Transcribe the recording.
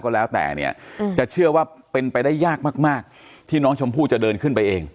ก็แล้วแต่เนี่ยจะเชื่อว่าเป็นไปได้ยากมากที่น้องชมพู่จะเดินขึ้นไปเอง